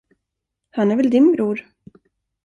Han är väl din bror?